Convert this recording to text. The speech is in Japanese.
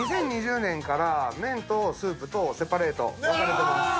２０２０年から麺とスープとセパレート分かれてます。